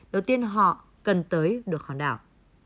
đầu tiên họ cần tới được hòn đảo